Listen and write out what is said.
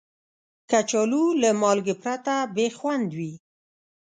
کچالو له مالګې پرته بې خوند وي